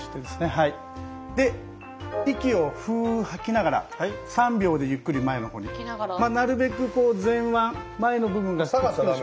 で息をふ吐きながら３秒でゆっくり前の方になるべくこう前腕前の部分がくっつくようにしますね。